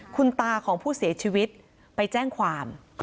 คุณตาของผู้เสียชีวิตไปแจ้งความ